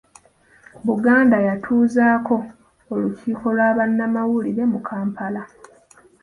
Buganda yatuuzaako olukiiko lwa bannamawulire mu Kampala.